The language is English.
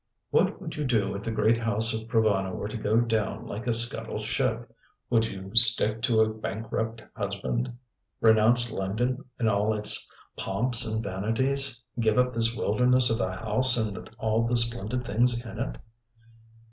"What would you do if the great house of Provana were to go down like a scuttled ship? Would you stick to a bankrupt husband renounce London and all its pomps and vanities give up this wilderness of a house and all the splendid things in it?"